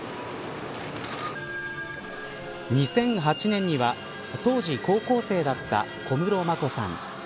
２００８年には当時高校生だった小室眞子さん。